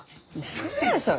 何やそれ。